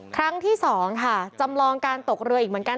ครั้งที่๒ค่ะจำลองการตกเรืออีกเหมือนกัน